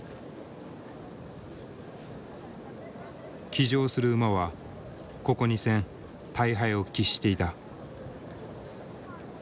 騎乗する馬はここ２戦大敗を喫していた。